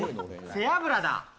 背脂だ。